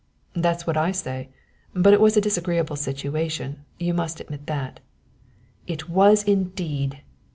"That's what I say! But it was a disagreeable situation, you must admit that." "It was, indeed!"